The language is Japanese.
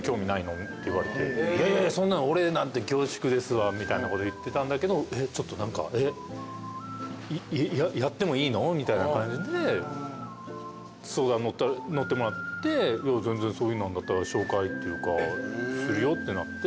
俺なんて恐縮ですわみたいなこと言ってたんだけどちょっと「やってもいいの？」みたいな感じで相談乗ってもらって全然そういうのだったら紹介するよってなって。